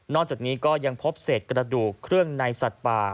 จากนี้ก็ยังพบเศษกระดูกเครื่องในสัตว์ป่า